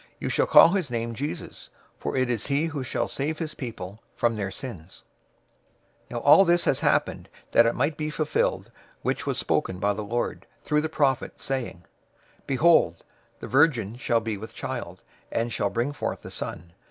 You shall call his name Jesus, for it is he who shall save his people from their sins." 001:022 Now all this has happened, that it might be fulfilled which was spoken by the Lord through the prophet, saying, 001:023 "Behold, the virgin shall be with child, and shall bring forth a son.